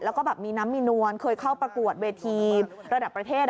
แล้วก็แบบมีน้ำมีนวลเคยเข้าประกวดเวทีระดับประเทศ